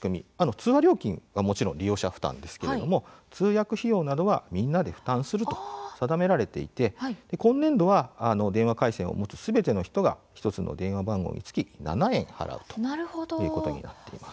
通話料金はもちろん利用者負担ですけれども通訳費用などはみんなで負担すると定められていて今年度は電話回線を持つすべての人が１つの電話番号につき７円払うということになっています。